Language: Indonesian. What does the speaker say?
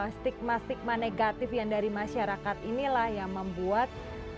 stigma stigma negatif yang dari masyarakat inilah yang membuat